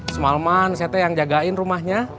semaleman saya teh yang jagain rumahnya